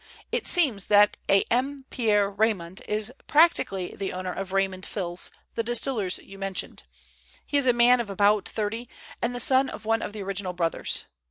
It seems that a M. Pierre Raymond is practically the owner of Raymond Fils, the distillers you mentioned. He is a man of about thirty, and the son of one of the original brothers.